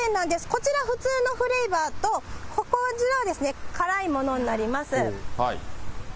こちら、普通のフレーバーと、こちら辛いものになります。